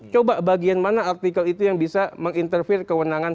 coba bagian mana artikel itu yang bisa menginterview kewenangan